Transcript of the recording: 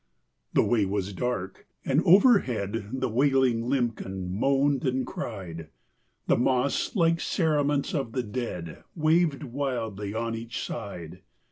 The way was dark; and overhead The wailing limpkin moaned and cried; The moss, like cerements of the dead, Waved wildly on each side.